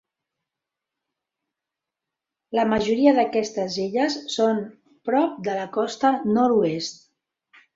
La majoria d'aquestes illes són prop de la costa nord-oest.